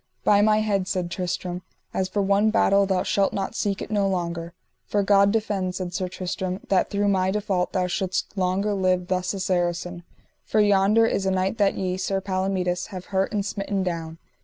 By my head, said Tristram, as for one battle thou shalt not seek it no longer. For God defend, said Sir Tristram, that through my default thou shouldst longer live thus a Saracen, for yonder is a knight that ye, Sir Palomides, have hurt and smitten down.